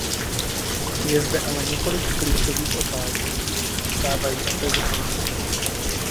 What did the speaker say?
Je zde ale několik klíčových otázek, jež zůstávají otevřeny.